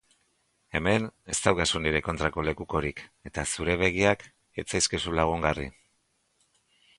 Hemen ez daukazu nire kontrako lekukorik eta zure begiak ez zaizkizu lagungarri.